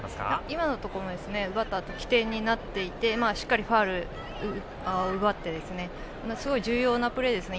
今のところも奪ったあと起点になっていてしっかりファウルを奪ってすごい重要なプレーですね